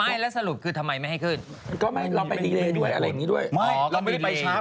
เยอะ